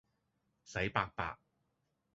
洗白白